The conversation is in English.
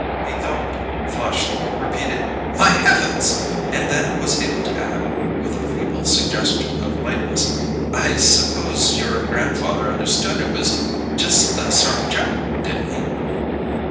He gulped, flushed, repeated "My heavens!" and then was able to add, with a feeble suggestion of lightness: "I suppose your grandfather understood it was just a sort of joke, didn't he?"